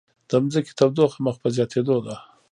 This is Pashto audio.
د ځمکې تودوخه مخ په زیاتیدو ده